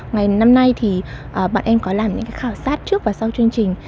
năm nay thì bọn em có làm những khảo sát trước và sau chương trình